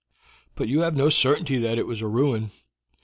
"But you have no certainty that it was a ruin.